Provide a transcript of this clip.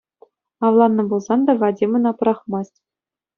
Авланнӑ пулсан та, Вадим ӑна пӑрахмасть.